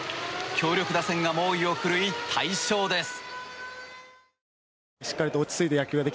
強力打線が猛威を振るい大勝です。